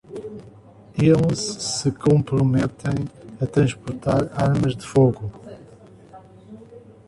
Eles se comprometem a transportar armas de fogo.